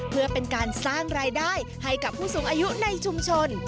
เพื่อเป็นการสร้างรายได้ให้กับผู้สูงอายุในชุมชน